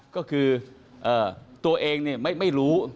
ก็คือตัวเองไม่รู้